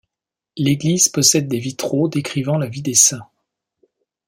L'église possède des vitraux décrivant la vie des saints.